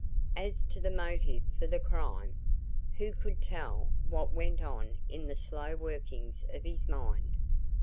As to the motive for the crime, who could tell what went on in the slow workings of his mind?